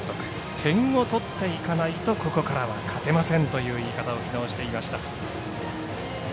点を取っていかないとここからは勝てませんという言い方を、きのうしていました。